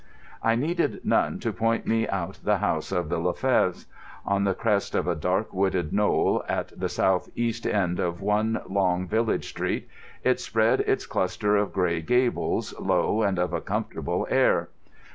I needed none to point me out the house of the le Fevres. On the crest of a dark wooded knoll at the south east end of the one long village street, it spread its cluster of grey gables, low and of a comfortable air.